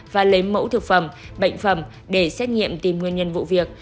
và lấy mẫu thực phẩm bệnh phẩm để xét nghiệm tìm nguyên nhân vụ việc